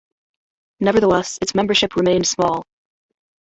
Nevertheless, its membership remained small.